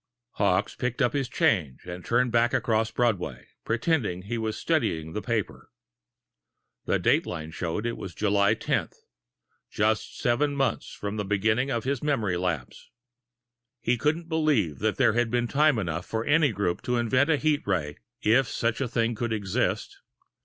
Hawkes picked up his change and turned back across Broadway, pretending he was studying the paper. The dateline showed it was July 10, just seven months from the beginning of his memory lapse. He couldn't believe that there had been time enough for any group to invent a heat ray, if such a thing could exist.